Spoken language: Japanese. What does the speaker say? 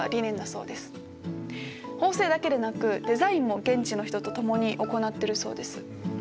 縫製だけでなくデザインも現地の人と共に行ってるそうです。